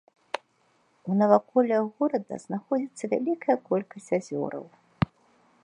У наваколлях горада знаходзіцца вялікая колькасць азёраў.